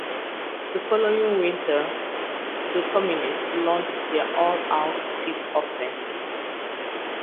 The following winter the communists launched their all-out Tet Offensive.